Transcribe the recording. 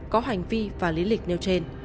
có hành vi và lý lịch nêu trên